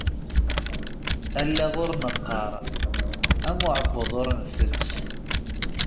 Allaɣ ur neqqar, am uεebbuḍ ur ntett.